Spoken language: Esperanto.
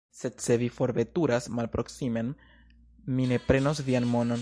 Sed se vi forveturas malproksimen, mi ne prenos vian monon.